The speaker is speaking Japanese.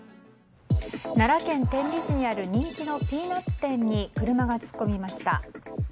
奈良県天理市にある人気のピーナツ店に車が突っ込みました。